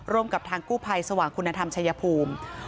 กับทางกู้ภัยสว่างคุณธรรมชายภูมิ